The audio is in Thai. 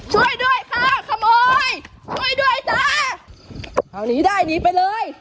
ช่วยด้วยค่ะขโมยช่วยด้วยจ้าคราวนี้ได้หนีไปเลย